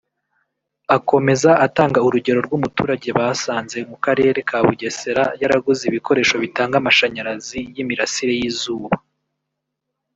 Akomeza atanga urugero rw’umuturage basanze mu Karere ka Bugesera yaraguze ibikoresho bitanga amashanyarazi y’imirasire y’izuba